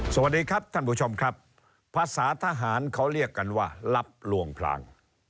สวัสดีครับท่านผู้ชมครับภาษาทหารเขาเรียกกันว่าลับลวงพลาง